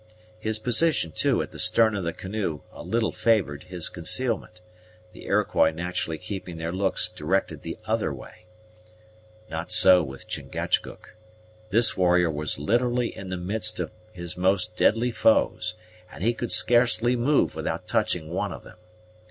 His position, too, at the stern of the canoe a little favored his concealment, the Iroquois naturally keeping their looks directed the other way. Not so with Chingachgook. This warrior was literally in the midst of his most deadly foes, and he could scarcely move without touching one of them.